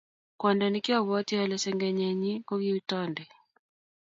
kwondo nekiobwoti ale sengenyenyin ko ki toonde